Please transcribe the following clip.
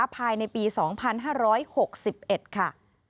ภายในปี๒๕๖๑ค่ะ